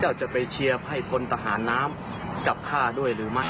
แล้วจะไปเชียร์ให้พลทหารน้ำกลับฆ่าด้วยหรือไม่